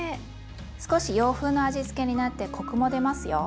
少し洋風の味付けになってコクも出ますよ。